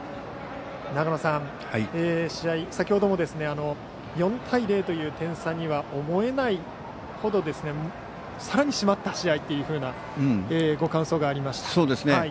長野さん、試合先ほども４対０という点差には思えないほどさらに締まった試合というようなご感想がありました。